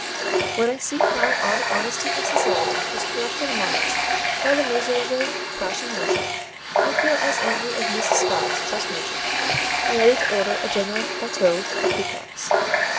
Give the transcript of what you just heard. when I see how all the honesty of society is corrupted among us by the miserable fashion worship, I feel as angry as Mrs. Fox just mentioned, and ready to order a general BATTUE of peacocks.